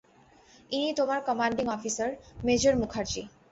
ইনি তোমার commanding officer, major Mukherjee.